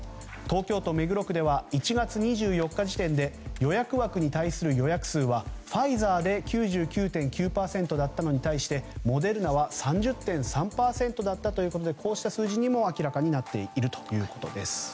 東京都目黒区では１月２４日時点で予約枠に対する予約数はファイザーで９９．９％だったのに対してモデルナは３０．３％だったということでこうした数字も明らかになっているということです。